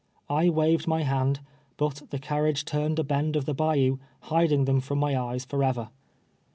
I waved my hand, but the carriage turned a bend of the bayou, hiding them from my eyes forever.